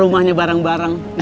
udah ya ya kita pergi mir